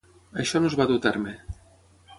Això no es va dur a terme.